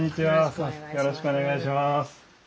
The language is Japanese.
よろしくお願いします。